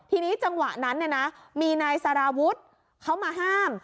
ทีนี้จังหวะนั้นเนี่ยนะมีนายสารวุฒิเขามาห้าม